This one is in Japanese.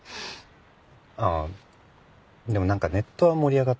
ああでもなんかネットは盛り上がってますよね。